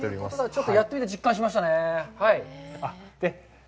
ちょっとやってみて実感しましたね。